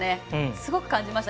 すごく感じました。